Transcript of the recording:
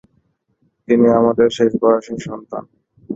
তিন্নি আমাদের শেষ বয়সের সন্তান।